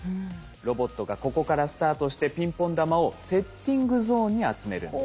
ロボットがここからスタートしてピンポン玉をセッティングゾーンに集めるんです。